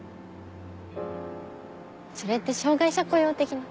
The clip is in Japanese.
それって障がい者雇用的な？